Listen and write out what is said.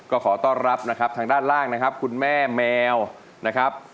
ก็ขอต้อนรับนะครับทางด้านล่างนะครับคุณแม่แมวนะครับ